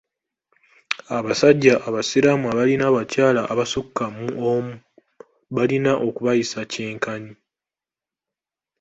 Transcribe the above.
Abasajja abasiraamu abalina abakyala abasukka mu omu balina okubayisa kyenkanyi.